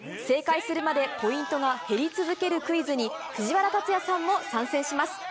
正解するまでポイントが減り続けるクイズに、藤原竜也さんも参戦します。